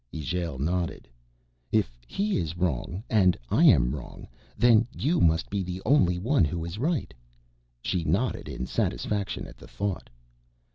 Ijale nodded. "If he is wrong, and I am wrong then you must be the only one who is right." She nodded in satisfaction at the thought.